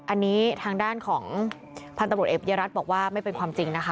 อันนี้ทางด้านของพันธุ์ตำรวจเอกเยรัฐบอกว่าไม่เป็นความจริงนะคะ